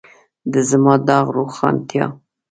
د زما داغ روښانتیا.